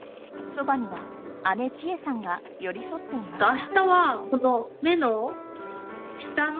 そばには姉ちえさんが寄り添っていました。